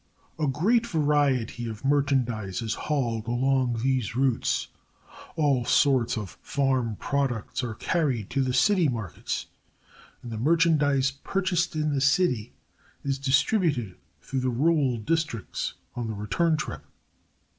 A great variety of merchandize is hauled along these routes; all sorts of farm products are carried to the city markets and the merchandize purchased in the city is distributed through the rural districts on the return trip.